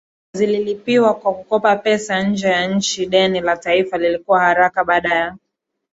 zililipiwa kwa kukopa pesa nje ya nchi Deni la taifa lilikua haraka Baada ya